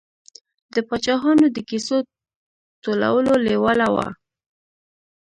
د پاچاهانو د کیسو ټولولو لېواله و.